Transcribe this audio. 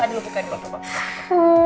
iya buka dulu